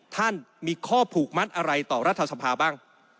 ท่านมีข้อผูกมัดอะไรต่อรัฐสภาบ้าง